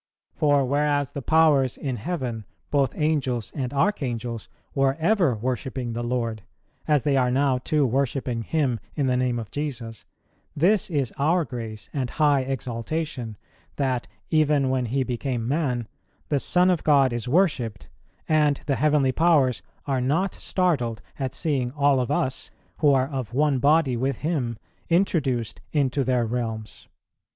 For whereas the powers in heaven, both Angels and Archangels, were ever worshipping the Lord, as they are now too worshipping Him in the Name of Jesus, this is our grace and high exaltation, that, even when He became man, the Son of God is worshipped, and the heavenly powers are not startled at seeing all of us, who are of one body with Him, introduced into their realms."